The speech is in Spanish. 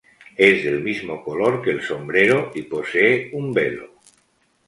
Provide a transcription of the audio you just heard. Es del mismo color que el sombrero, y posee un velo.